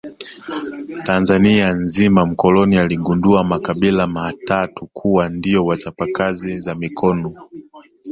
Tanzania nzima mkoloni aligundua makabila maatatu kuwa ndio wachapa kazi za mikono